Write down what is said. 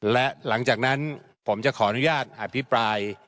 และหลังจากนั้นผมจะขออนุญาตอภิปราย